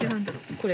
これ。